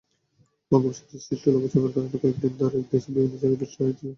বঙ্গোপসাগরে সৃষ্ট লঘুচাপের কারণে কয়েক দিন ধরে দেশের বিভিন্ন জায়গায় বৃষ্টি হচ্ছিল।